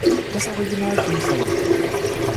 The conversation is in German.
Das Original ging verloren.